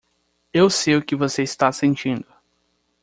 Eu sei o que você está sentindo.